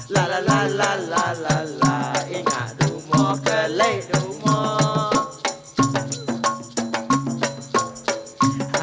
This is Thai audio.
ลาลาลาลาลาลาลาอิงหาดูหมอเกล็ดดูหมอ